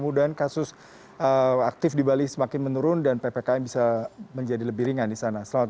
makatextrol grandchildren yang kita lihat adalah semua